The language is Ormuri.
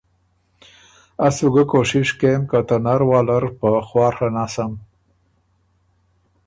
از سُو ګه کوشش کېم که ته نر واله ر په خواڒه نسم